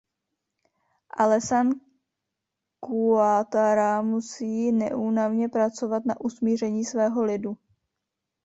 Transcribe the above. Alassane Ouattara musí neúnavně pracovat na usmíření svého lidu.